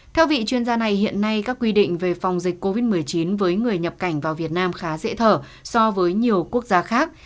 theo vị chuyên gia này hiện nay các quy định về phòng dịch covid một mươi chín với người nhập cảnh vào việt nam khá dễ thở so với nhiều quốc gia khác